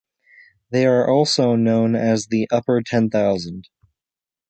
They were also known as the upper ten thousand.